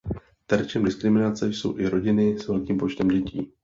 Terčem diskriminace jsou i rodiny s velkým počtem dětí.